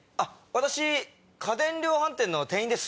私家電量販店の店員です。